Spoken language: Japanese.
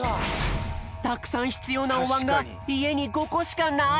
たくさんひつようなおわんがいえに５こしかない！